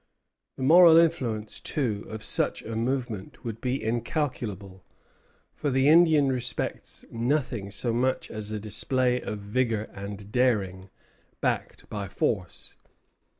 The moral influence, too, of such a movement would be incalculable; for the Indian respects nothing so much as a display of vigor and daring, backed by force.